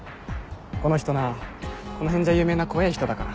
この人なこの辺じゃ有名な怖えぇ人だから。